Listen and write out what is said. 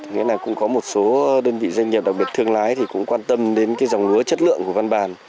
nghĩa là cũng có một số đơn vị doanh nghiệp đặc biệt thương lái thì cũng quan tâm đến cái dòng ngứa chất lượng của văn bản